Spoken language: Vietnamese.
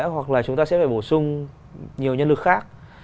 hoặc là chúng ta sẽ phải bổ sung nhiều nhân lực khác